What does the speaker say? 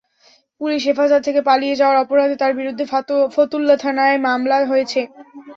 Police হেফাজত থেকে পালিয়ে যাওয়ার অপরাধে তাঁর বিরুদ্ধে ফতুল্লা থানায় মামলা হয়েছে।